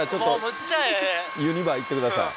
ユニバ行ってください。